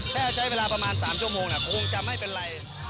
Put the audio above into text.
ถ้าใช้เวลาประมาณ๓ชั่วโมงคงจะไม่เป็นไร